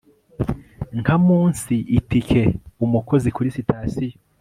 Nka munsiitikeumukozi kuri sitasiyo